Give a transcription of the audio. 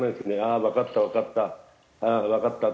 「ああわかったわかった。